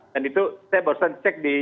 dan itu saya bosen cek di yang lain